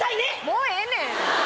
もうええねん！